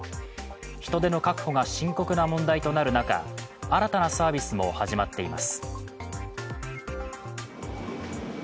人手の確保が深刻な問題となる中、新たなサービスも始まっています。